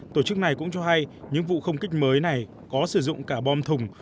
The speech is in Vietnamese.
tổ chức này cũng cho hay những vụ không kích mới này có sử dụng cả bom thùng